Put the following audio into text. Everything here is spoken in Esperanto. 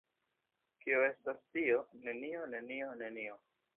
Kio estas tio? Nenio. Nenio. Nenio.